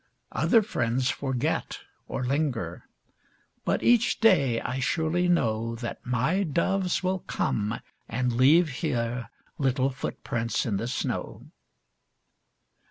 Other friends forget, or linger, But each day I surely know That my doves will come and leave here Little footprints in the snow.